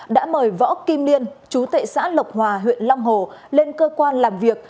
đã mời võ kim liên chú tệ xã lộc hòa huyện long hồ lên cơ quan làm việc